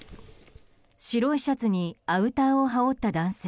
白いシャツにアウターを羽織った男性。